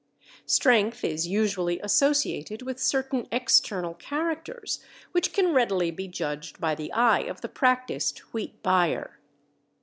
Strength is usually associated with certain external characters which can readily be judged by the eye of the practised wheat buyer.